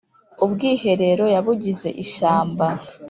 Ubwiherero yabugize ishyamba